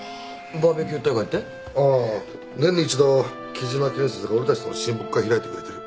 ああ年に一度喜嶋建設が俺たちとの親睦会開いてくれてる。